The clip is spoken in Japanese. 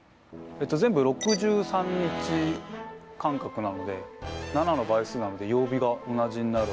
全部６３日間隔なので７の倍数なので曜日が同じになるんだと思います。